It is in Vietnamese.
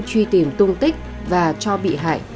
truy tìm tung tích và cho bị hại